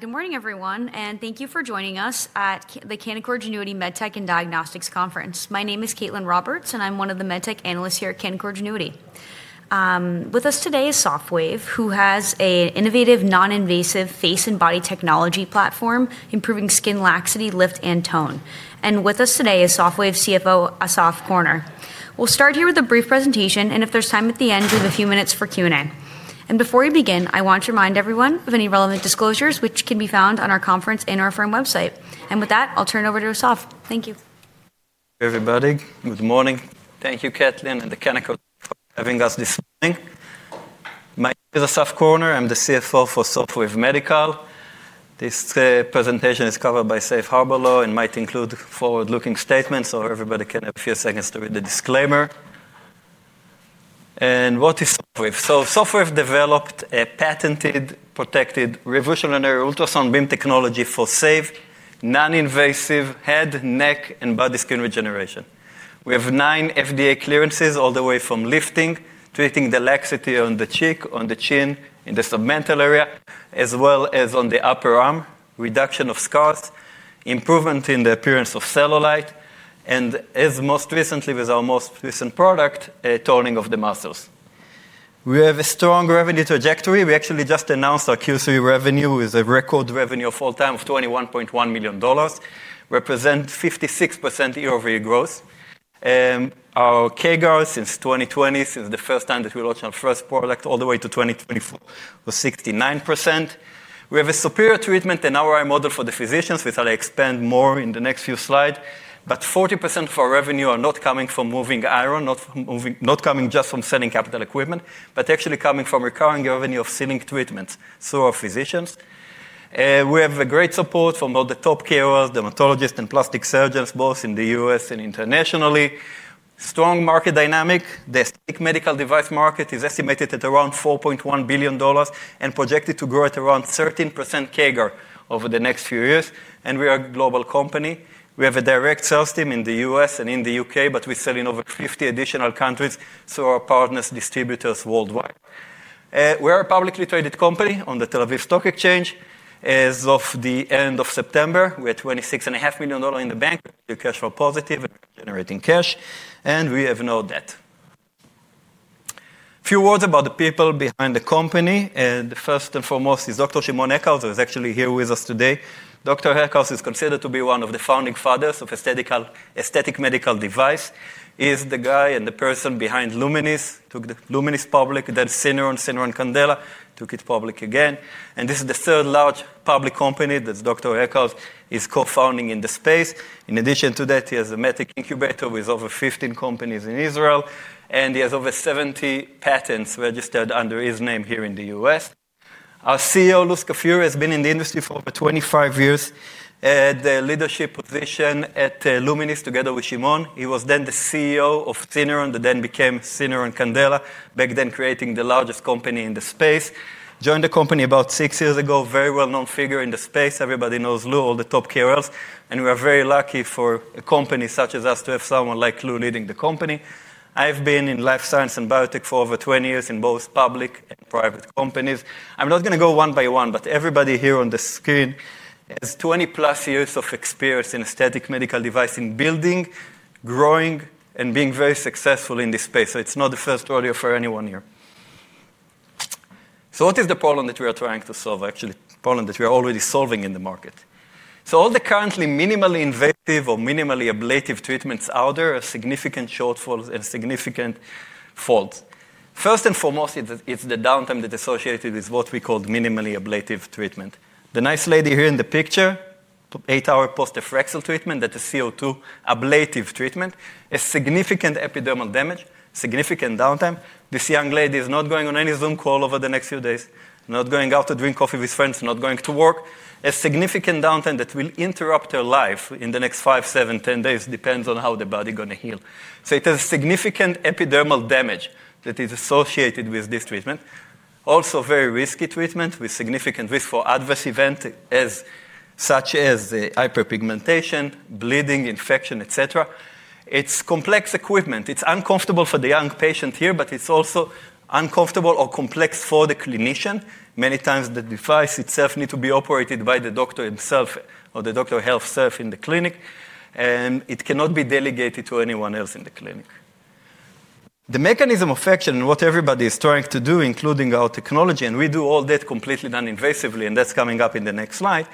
Good morning, everyone, and thank you for joining us at the Canticore Genuity MedTech and Diagnostics Conference. My name is Caitlin Roberts, and I'm one of the MedTech analysts here at Canticore Genuity. With us today is SofWave, who has an innovative non-invasive face and body technology platform improving skin laxity, lift, and tone. With us today is SofWave CFO Assaf Korner. We'll start here with a brief presentation, and if there's time at the end, we have a few minutes for Q&A. Before we begin, I want to remind everyone of any relevant disclosures, which can be found on our conference and our firm website. With that, I'll turn it over to Assaf. Thank you. Everybody, good morning. Thank you, Caitlin, and the Canaccord team for having us this morning. My name is Assaf Korner. I'm the CFO for SofWave Medical. This presentation is covered by Safe Harbor Law and might include forward-looking statements, so everybody can have a few seconds to read the disclaimer. What is SofWave? SofWave developed a patented, protected, revolutionary ultrasound beam technology for safe, non-invasive head, neck, and body skin regeneration. We have nine FDA clearances all the way from lifting, treating the laxity on the cheek, on the chin, in the submental area, as well as on the upper arm, reduction of scars, improvement in the appearance of cellulite, and, as most recently, with our most recent product, a toning of the muscles. We have a strong revenue trajectory. We actually just announced our Q3 revenue with a record revenue of all time of $21.1 million, representing 56% year-over-year growth. Our CAGR since 2020, since the first time that we launched our first product all the way to 2024, was 69%. We have a superior treatment and ROI model for the physicians, which I'll expand more on in the next few slides. Forty percent of our revenue is not coming from moving iron, not coming just from selling capital equipment, but actually coming from recurring revenue of selling treatments through our physicians. We have great support from all the top KOLs, dermatologists, and plastic surgeons, both in the U.S. and internationally. Strong market dynamic. The aesthetic medical device market is estimated at around $4.1 billion and projected to grow at around 13% CAGR over the next few years. We are a global company. We have a direct sales team in the U.S. and in the U.K., but we're selling in over 50 additional countries through our partners, distributors worldwide. We are a publicly traded company on the Tel Aviv Stock Exchange. As of the end of September, we had $26.5 million in the bank, cash flow positive, and we're generating cash. We have no debt. A few words about the people behind the company. The first and foremost is Dr. Shimon Eckhouse, who is actually here with us today. Dr. Eckhouse is considered to be one of the founding fathers of aesthetic medical devices. He is the guy and the person behind Lumenis, took Lumenis public, then Syneron, Syneron Candela, took it public again. This is the third large public company that Dr. Eckhouse is co-founding in the space. In addition to that, he has a medtech incubator with over 15 companies in Israel, and he has over 70 patents registered under his name here in the U.S.. Our CEO, Louis Scafuri, has been in the industry for over 25 years at the leadership position at Lumenis together with Shimon. He was then the CEO of Syneron, then became Syneron Candela, back then creating the largest company in the space. Joined the company about six years ago, very well-known figure in the space. Everybody knows Lou, all the top K-guards. We are very lucky for a company such as us to have someone like Lou leading the company. I have been in life science and biotech for over 20 years in both public and private companies. I'm not going to go one by one, but everybody here on the screen has 20-plus years of experience in aesthetic medical device in building, growing, and being very successful in this space. It is not the first rodeo for anyone here. What is the problem that we are trying to solve, actually? The problem that we are already solving in the market. All the currently minimally invasive or minimally ablative treatments out there have significant shortfalls and significant faults. First and foremost, it is the downtime that is associated with what we call minimally ablative treatment. The nice lady here in the picture, eight-hour post-Fraxel treatment, that is CO2 ablative treatment, has significant epidermal damage, significant downtime. This young lady is not going on any Zoom call over the next few days, not going out to drink coffee with friends, not going to work, has significant downtime that will interrupt her life in the next five, seven, ten days, depends on how the body is going to heal. It has significant epidermal damage that is associated with this treatment. Also, very risky treatment with significant risk for adverse events, such as hyperpigmentation, bleeding, infection, et cetera. It's complex equipment. It's uncomfortable for the young patient here, but it's also uncomfortable or complex for the clinician. Many times, the device itself needs to be operated by the doctor himself or the doctor himself in the clinic, and it cannot be delegated to anyone else in the clinic. The mechanism of action and what everybody is trying to do, including our technology, and we do all that completely non-invasively, and that is coming up in the next slide.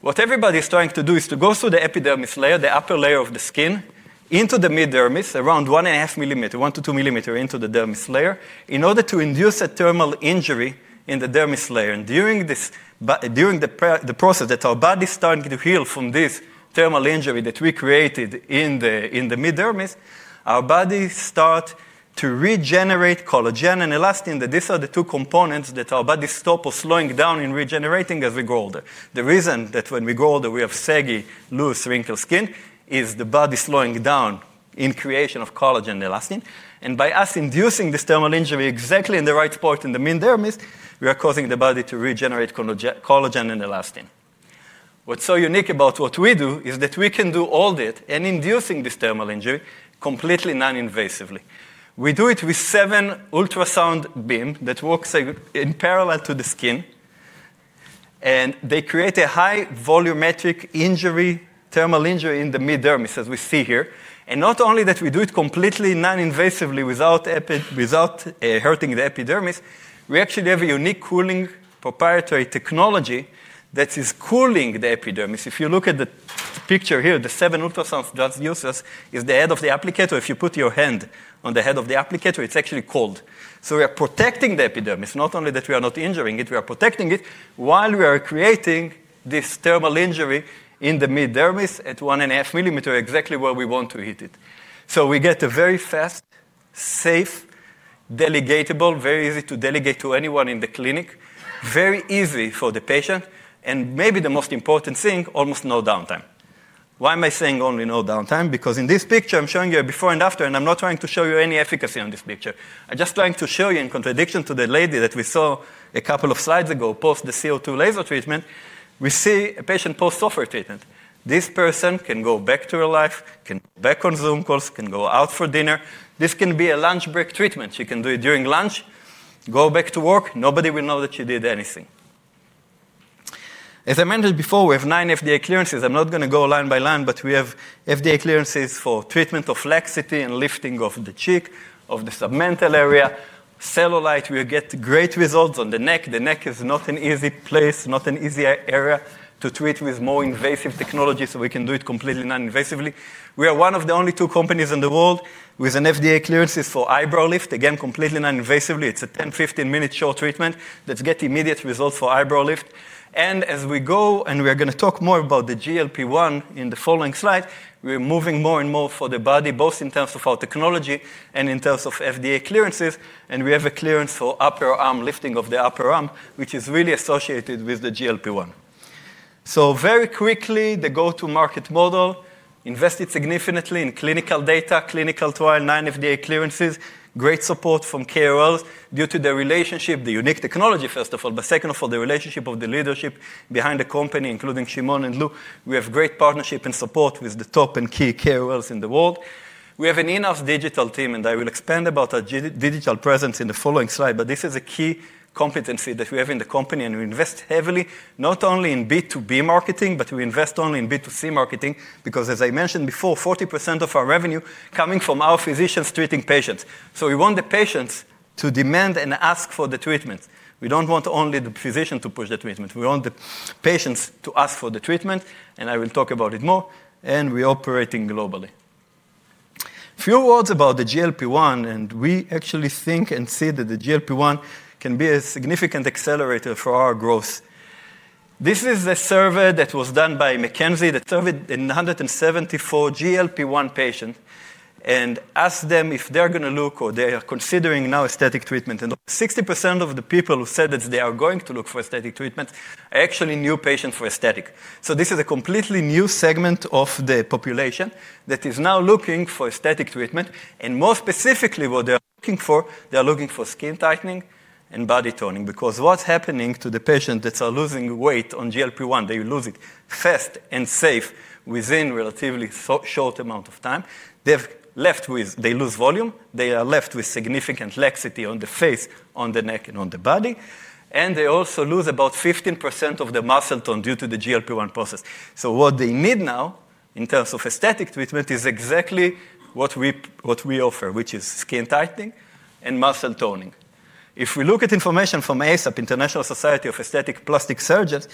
What everybody is trying to do is to go through the epidermis layer, the upper layer of the skin, into the mid dermis, around 1.5 millimeter, 1 to 2 millimeters into the dermis layer, in order to induce a thermal injury in the dermis layer. During the process that our body is starting to heal from this thermal injury that we created in the mid dermis, our body starts to regenerate collagen and elastin. These are the two components that our body stops slowing down in regenerating as we grow older. The reason that when we grow older, we have saggy, loose, wrinkled skin is the body slowing down in creation of collagen and elastin. By us inducing this thermal injury exactly in the right spot in the mid dermis, we are causing the body to regenerate collagen and elastin. What's so unique about what we do is that we can do all that and induce this thermal injury completely non-invasively. We do it with seven ultrasound beams that work in parallel to the skin, and they create a high-volumetric thermal injury in the mid dermis, as we see here. Not only that, we do it completely non-invasively without hurting the epidermis. We actually have a unique cooling proprietary technology that is cooling the epidermis. If you look at the picture here, the seven ultrasounds just used us is the head of the applicator. If you put your hand on the head of the applicator, it's actually cold. We are protecting the epidermis. Not only that we are not injuring it, we are protecting it while we are creating this thermal injury in the mid dermis at 1.5 millimeters, exactly where we want to hit it. We get a very fast, safe, delegatable, very easy to delegate to anyone in the clinic, very easy for the patient, and maybe the most important thing, almost no downtime. Why am I saying only no downtime? Because in this picture, I am showing you a before and after, and I am not trying to show you any efficacy on this picture. I am just trying to show you, in contradiction to the lady that we saw a couple of slides ago post the CO2 laser treatment, we see a patient post-SofWave treatment. This person can go back to her life, can go back on Zoom calls, can go out for dinner. This can be a lunch break treatment. She can do it during lunch, go back to work. Nobody will know that she did anything. As I mentioned before, we have nine FDA clearances. I'm not going to go line by line, but we have FDA clearances for treatment of laxity and lifting of the cheek, of the submental area, cellulite. We get great results on the neck. The neck is not an easy place, not an easy area to treat with more invasive technology, so we can do it completely non-invasively. We are one of the only two companies in the world with an FDA clearance for eyebrow lift, again, completely non-invasively. It's a 10-15 minute short treatment that gets immediate results for eyebrow lift. As we go, and we are going to talk more about the GLP-1 in the following slide, we're moving more and more for the body, both in terms of our technology and in terms of FDA clearances. We have a clearance for upper arm lifting of the upper arm, which is really associated with the GLP-1. Very quickly, the go-to-market model invested significantly in clinical data, clinical trial, nine FDA clearances, great support from K-guards due to the relationship, the unique technology, first of all, but second of all, the relationship of the leadership behind the company, including Shimon and Lou. We have great partnership and support with the top and key K-guards in the world. We have an in-house digital team, and I will expand about our digital presence in the following slide, but this is a key competency that we have in the company, and we invest heavily not only in B2B marketing, but we invest also in B2C marketing because, as I mentioned before, 40% of our revenue is coming from our physicians treating patients. We want the patients to demand and ask for the treatment. We do not want only the physician to push the treatment. We want the patients to ask for the treatment, and I will talk about it more. We are operating globally. A few words about the GLP-1, and we actually think and see that the GLP-1 can be a significant accelerator for our growth. This is a survey that was done by McKinsey that surveyed 174 GLP-1 patients and asked them if they're going to look or they are considering now aesthetic treatment. 60% of the people who said that they are going to look for aesthetic treatment are actually new patients for aesthetic. This is a completely new segment of the population that is now looking for aesthetic treatment. More specifically, what they are looking for, they are looking for skin tightening and body toning because what's happening to the patients that are losing weight on GLP-1, they lose it fast and safe within a relatively short amount of time. They lose volume. They are left with significant laxity on the face, on the neck, and on the body. They also lose about 15% of their muscle tone due to the GLP-1 process. What they need now in terms of aesthetic treatment is exactly what we offer, which is skin tightening and muscle toning. If we look at information from ASAP, International Society of Aesthetic Plastic Surgeons,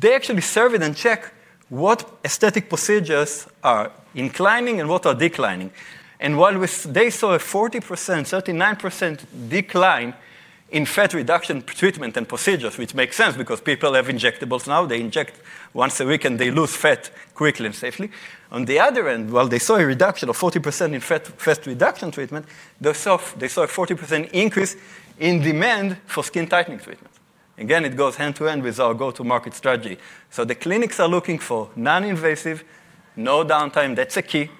they actually surveyed and checked what aesthetic procedures are inclining and what are declining. While they saw a 40%, 39% decline in fat reduction treatment and procedures, which makes sense because people have injectables now. They inject once a week, and they lose fat quickly and safely. On the other end, while they saw a reduction of 40% in fat reduction treatment, they saw a 40% increase in demand for skin tightening treatment. Again, it goes hand to hand with our go-to-market strategy. The clinics are looking for non-invasive, no downtime. That's a key.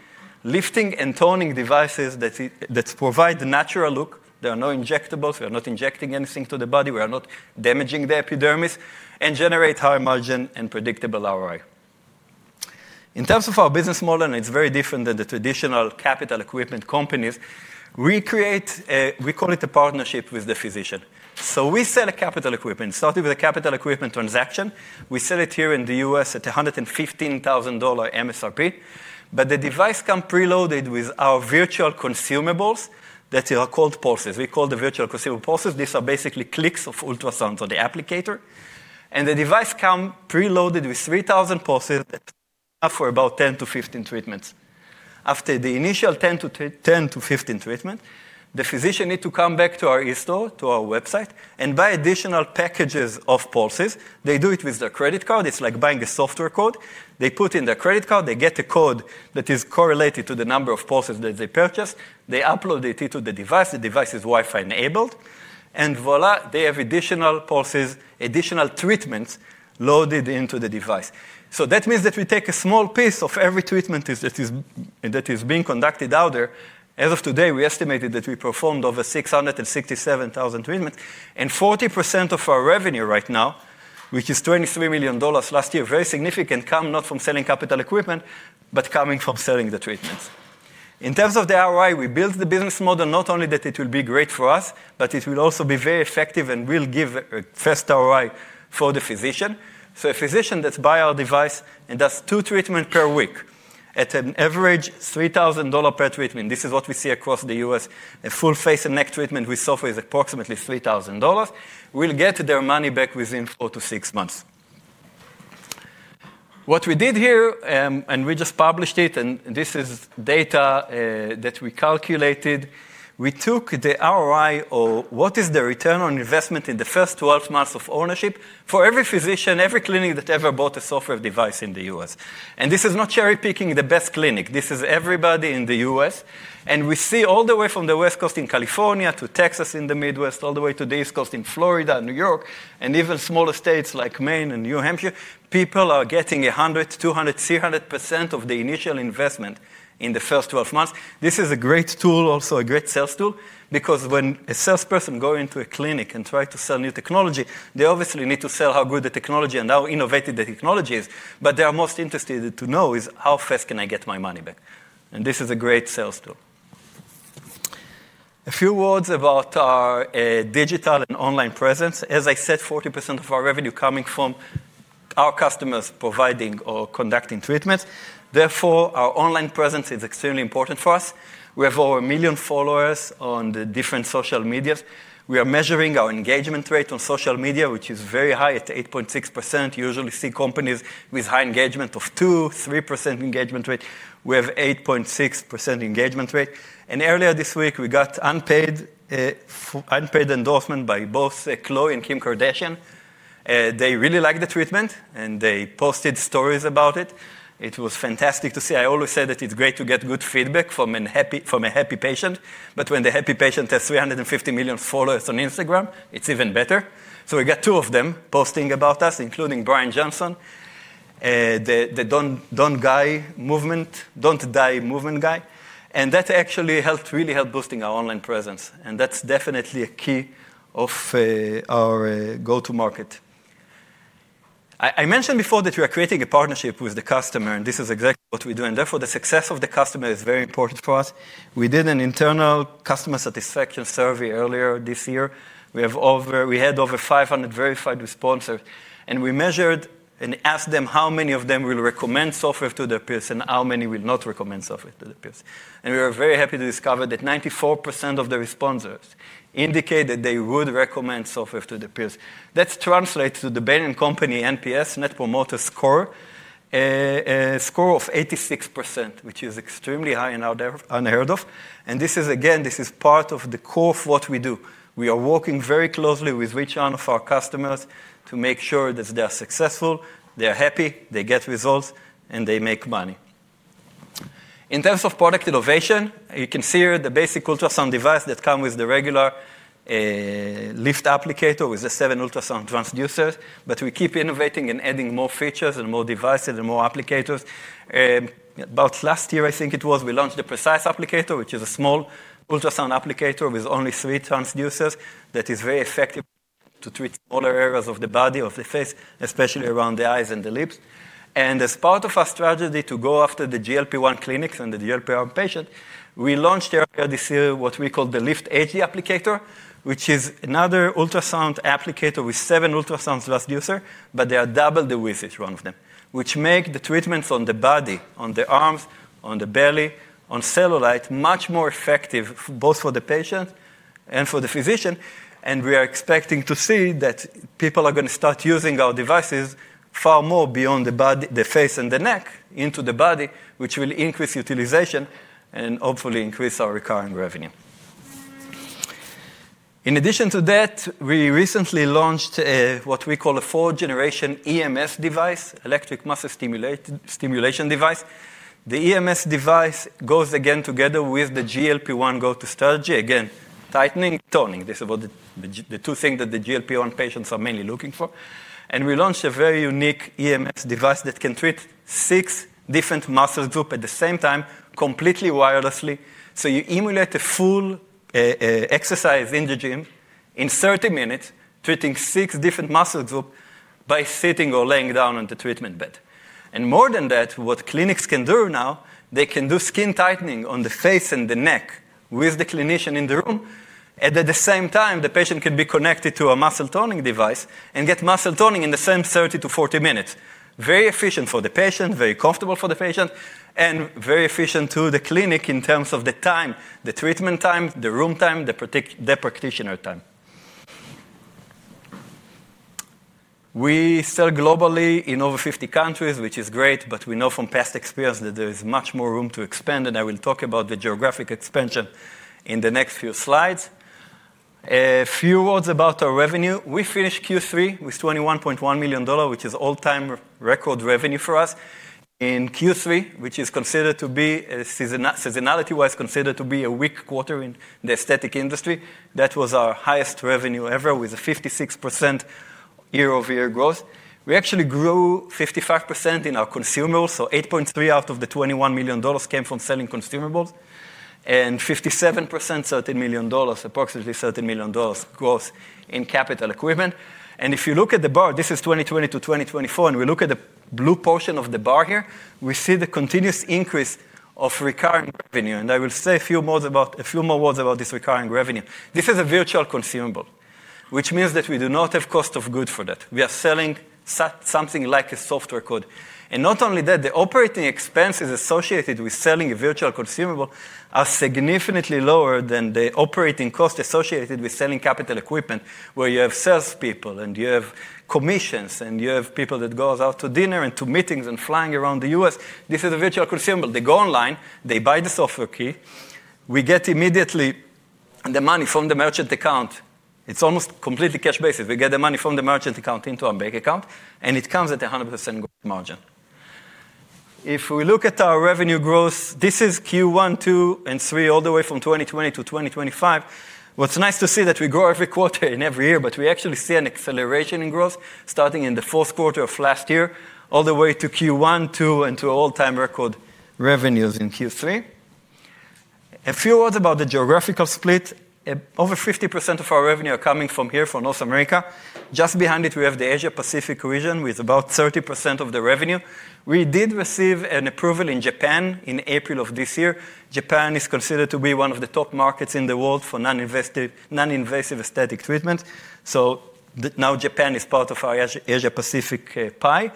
Lifting and toning devices that provide the natural look. There are no injectables. We are not injecting anything to the body. We are not damaging the epidermis and generate high margin and predictable ROI. In terms of our business model, and it's very different than the traditional capital equipment companies, we create a, we call it a partnership with the physician. We sell a capital equipment, started with a capital equipment transaction. We sell it here in the U.S. at $115,000 MSRP. The device comes preloaded with our virtual consumables that are called pulses. We call them virtual consumable pulses. These are basically clicks of ultrasounds on the applicator. The device comes preloaded with 3,000 pulses that are enough for about 10-15 treatments. After the initial 10-15 treatments, the physician needs to come back to our e-store, to our website, and buy additional packages of pulses. They do it with their credit card. It's like buying a software code. They put in their credit card. They get a code that is correlated to the number of pulses that they purchased. They upload it into the device. The device is Wi-Fi enabled. Voilà, they have additional pulses, additional treatments loaded into the device. That means that we take a small piece of every treatment that is being conducted out there. As of today, we estimated that we performed over 667,000 treatments. 40% of our revenue right now, which is $23 million last year, very significant, comes not from selling capital equipment, but coming from selling the treatments. In terms of the ROI, we built the business model not only that it will be great for us, but it will also be very effective and will give a fast ROI for the physician. A physician that buys our device and does two treatments per week, at an average $3,000 per treatment, this is what we see across the US, a full face and neck treatment with SofWave is approximately $3,000, will get their money back within four to six months. What we did here, and we just published it, and this is data that we calculated. We took the ROI or what is the return on investment in the first 12 months of ownership for every physician, every clinic that ever bought a SofWave device in the U.S.. This is not cherry-picking the best clinic. This is everybody in the US. We see all the way from the West Coast in California to Texas in the Midwest, all the way to the East Coast in Florida, New York, and even smaller states like Maine and New Hampshire, people are getting 100%, 200%, 300% of the initial investment in the first 12 months. This is a great tool, also a great sales tool, because when a salesperson goes into a clinic and tries to sell new technology, they obviously need to sell how good the technology and how innovative the technology is. They are most interested to know is how fast can I get my money back. This is a great sales tool. A few words about our digital and online presence. As I said, 40% of our revenue is coming from our customers providing or conducting treatments. Therefore, our online presence is extremely important for us. We have over a million followers on different social medias. We are measuring our engagement rate on social media, which is very high at 8.6%. Usually, we see companies with high engagement of 2%, 3% engagement rate. We have an 8.6% engagement rate. Earlier this week, we got unpaid endorsement by both Khloe and Kim Kardashian. They really liked the treatment, and they posted stories about it. It was fantastic to see. I always say that it's great to get good feedback from a happy patient, but when the happy patient has 350 million followers on Instagram, it's even better. We got two of them posting about us, including Brian Johnson, the Don't Die Movement Guy. That actually helped really help boosting our online presence. That's definitely a key of our go-to-market. I mentioned before that we are creating a partnership with the customer, and this is exactly what we do. Therefore, the success of the customer is very important for us. We did an internal customer satisfaction survey earlier this year. We had over 500 verified responders. We measured and asked them how many of them will recommend SofWave to their peers and how many will not recommend SofWave to their peers. We were very happy to discover that 94% of the responders indicated that they would recommend SofWave to their peers. That translates to the company NPS Net Promoter Score of 86%, which is extremely high and unheard of. This is, again, part of the core of what we do. We are working very closely with each one of our customers to make sure that they are successful, they are happy, they get results, and they make money. In terms of product innovation, you can see here the basic ultrasound device that comes with the regular Lift applicator with the seven ultrasound transducers. We keep innovating and adding more features and more devices and more applicators. About last year, I think it was, we launched the Precise applicator, which is a small ultrasound applicator with only three transducers that is very effective to treat smaller areas of the body, of the face, especially around the eyes and the lips. As part of our strategy to go after the GLP-1 clinics and the GLP-1 patients, we launched earlier this year what we call the Lift AG applicator, which is another ultrasound applicator with seven ultrasound transducers, but they are double the width, each one of them, which makes the treatments on the body, on the arms, on the belly, on cellulite much more effective, both for the patient and for the physician. We are expecting to see that people are going to start using our devices far more beyond the body, the face, and the neck into the body, which will increase utilization and hopefully increase our recurring revenue. In addition to that, we recently launched what we call a fourth-generation EMS device, electric muscle stimulation device. The EMS device goes again together with the GLP-1 go-to strategy, again, tightening, toning. These are the two things that the GLP-1 patients are mainly looking for. We launched a very unique EMS device that can treat six different muscle groups at the same time, completely wirelessly. You emulate a full exercise in the gym in 30 minutes, treating six different muscle groups by sitting or laying down on the treatment bed. More than that, what clinics can do now, they can do skin tightening on the face and the neck with the clinician in the room. At the same time, the patient can be connected to a muscle toning device and get muscle toning in the same 30 to 40 minutes. Very efficient for the patient, very comfortable for the patient, and very efficient to the clinic in terms of the time, the treatment time, the room time, the practitioner time. We sell globally in over 50 countries, which is great, but we know from past experience that there is much more room to expand. I will talk about the geographic expansion in the next few slides. A few words about our revenue. We finished Q3 with $21.1 million, which is all-time record revenue for us. In Q3, which is considered to be, seasonality-wise, considered to be a weak quarter in the aesthetic industry, that was our highest revenue ever with a 56% year-over-year growth. We actually grew 55% in our consumables. $8.3 million out of the $21 million came from selling consumables and 57%, $13 million, approximately $13 million gross in capital equipment. If you look at the bar, this is 2020 to 2024, and we look at the blue portion of the bar here, we see the continuous increase of recurring revenue. I will say a few more words about this recurring revenue. This is a virtual consumable, which means that we do not have cost of goods for that. We are selling something like a software code. Not only that, the operating expenses associated with selling a virtual consumable are significantly lower than the operating cost associated with selling capital equipment, where you have salespeople, and you have commissions, and you have people that go out to dinner and to meetings and flying around the U.S.. This is a virtual consumable. They go online. They buy the software key. We get immediately the money from the merchant account. It's almost completely cash-based. We get the money from the merchant account into our bank account, and it comes at a 100% margin. If we look at our revenue growth, this is Q1, Q2, and Q3 all the way from 2020 to 2025. What's nice to see is that we grow every quarter and every year, but we actually see an acceleration in growth starting in the fourth quarter of last year all the way to Q1, Q2, and to all-time record revenues in Q3. A few words about the geographical split. Over 50% of our revenue is coming from here, from North America. Just behind it, we have the Asia-Pacific region with about 30% of the revenue. We did receive an approval in Japan in April of this year. Japan is considered to be one of the top markets in the world for non-invasive aesthetic treatments. Now Japan is part of our Asia-Pacific pie.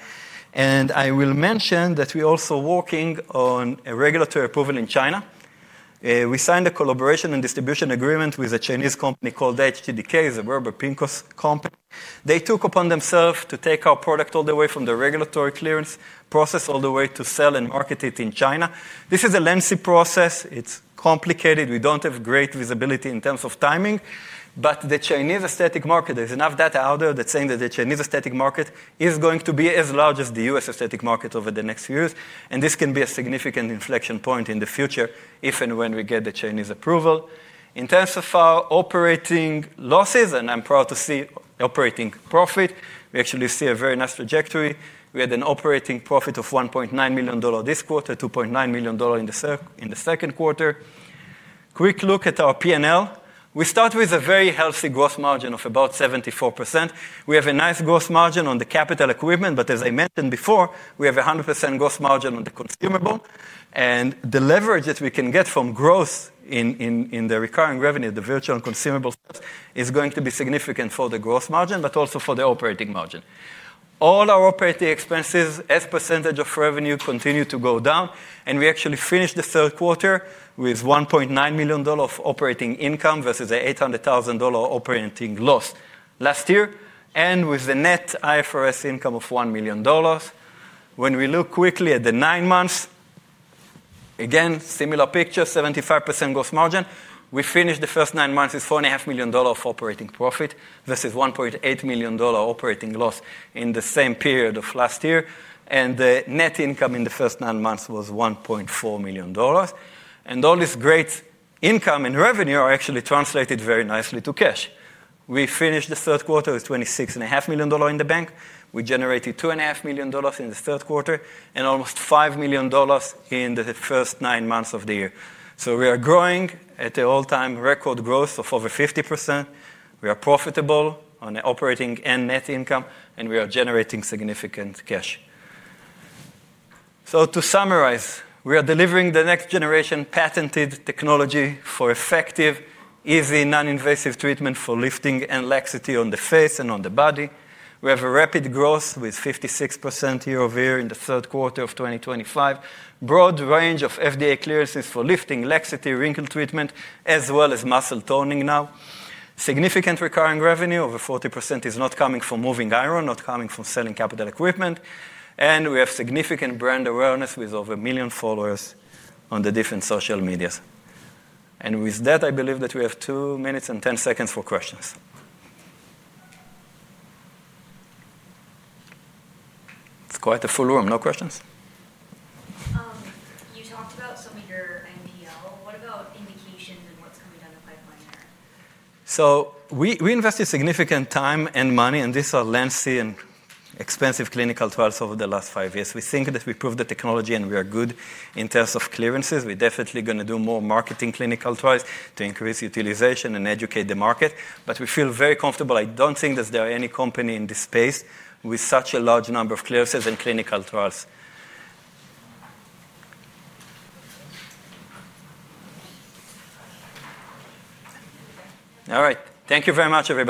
I will mention that we are also working on a regulatory approval in China. We signed a collaboration and distribution agreement with a Chinese company called HTDK. It's a verbal Pinkos company. They took upon themselves to take our product all the way from the regulatory clearance process all the way to sell and market it in China. This is a lengthy process. It's complicated. We don't have great visibility in terms of timing. The Chinese aesthetic market, there's enough data out there that's saying that the Chinese aesthetic market is going to be as large as the U.S. aesthetic market over the next few years. This can be a significant inflection point in the future if and when we get the Chinese approval. In terms of our operating losses, and I'm proud to see operating profit, we actually see a very nice trajectory. We had an operating profit of $1.9 million this quarter, $2.9 million in the second quarter. Quick look at our P&L. We start with a very healthy gross margin of about 74%. We have a nice gross margin on the capital equipment, but as I mentioned before, we have a 100% gross margin on the consumable. The leverage that we can get from growth in the recurring revenue, the virtual consumable, is going to be significant for the gross margin, but also for the operating margin. All our operating expenses, as percentage of revenue, continue to go down. We actually finished the third quarter with $1.9 million of operating income versus an $800,000 operating loss last year, and with a net IFRS income of $1 million. When we look quickly at the nine months, again, similar picture, 75% gross margin. We finished the first nine months with $4.5 million of operating profit versus $1.8 million operating loss in the same period of last year. The net income in the first nine months was $1.4 million. All this great income and revenue are actually translated very nicely to cash. We finished the third quarter with $26.5 million in the bank. We generated $2.5 million in the third quarter and almost $5 million in the first nine months of the year. We are growing at an all-time record growth of over 50%. We are profitable on the operating and net income, and we are generating significant cash. To summarize, we are delivering the next-generation patented technology for effective, easy, non-invasive treatment for lifting and laxity on the face and on the body. We have a rapid growth with 56% year-over-year in the third quarter of 2025. Broad range of FDA clearances for lifting, laxity, wrinkle treatment, as well as muscle toning now. Significant recurring revenue, over 40%, is not coming from moving iron, not coming from selling capital equipment. We have significant brand awareness with over a million followers on the different social medias. With that, I believe that we have two minutes and 10 seconds for questions. It's quite a full room. No questions? You talked about some of your NPL. What about indications and what's coming down the pipeline there? We invested significant time and money, and these are lengthy and expensive clinical trials over the last five years. We think that we proved the technology and we are good in terms of clearances. We're definitely going to do more marketing clinical trials to increase utilization and educate the market. We feel very comfortable. I don't think that there is any company in this space with such a large number of clearances and clinical trials. All right. Thank you very much everyone.